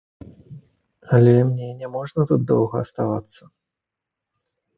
Але мне няможна тут доўга аставацца.